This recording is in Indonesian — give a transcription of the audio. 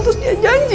terus dia janji